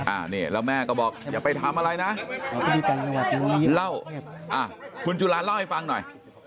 อันนี้แล้วแม่ก็บอกอย่าไปทำอะไรนะเล่าอ่ะคุณจุลาเล่าให้ฟังหน่อย